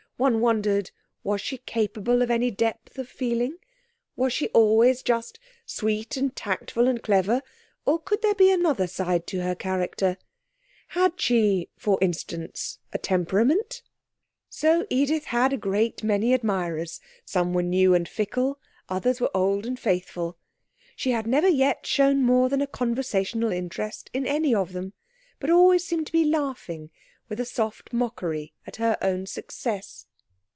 One wondered. Was she capable of any depth of feeling? Was she always just sweet and tactful and clever, or could there be another side to her character? Had she (for instance) a temperament? This question was considered one of interest, so Edith had a great many admirers. Some were new and fickle, others were old and faithful. She had never yet shown more than a conversational interest in any of them, but always seemed to be laughing with a soft mockery at her own success.